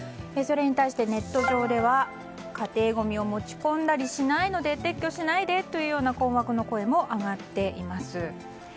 それに対してネット上では家庭ごみを持ち込んだりしないので撤去しないでという困惑の声も上がっています。